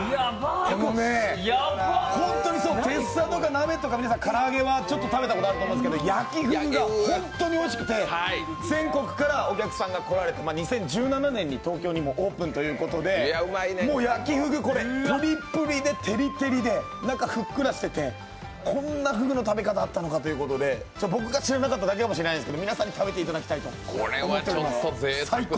本当にてっさとか鍋とか唐揚げは皆さん食べたことあると思いますけど、焼ふぐが本当においしくて、全国からお客さんが来られ、２０１７年にも東京にもオープンということでもう焼ふぐ、プリプリで照り照りで、中、ふっくらしてて、こんなふぐの食べ方あったのかということで僕が知らなかっただけかもしれないですけど皆さんに食べていただきたいと思っております最高！